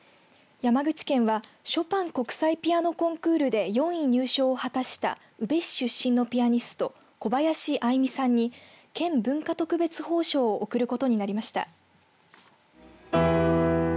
山口県はショパン国際ピアノコンクールで４位入賞を果たした宇部市出身のピアニスト小林愛実さんに県文化特別褒賞を贈ることになりました。